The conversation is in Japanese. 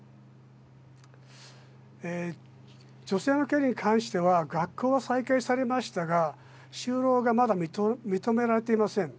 女性の権利に関しては学校は再開されましたが就労がまだ認められていません。